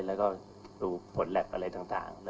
แล้วก็ดูผลแล็บอะไรต่าง